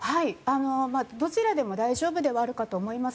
どちらでも大丈夫ではあるかと思います。